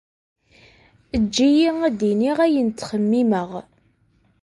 Ejj-iyi ad d-iniɣ ayen ttxemmimeɣ.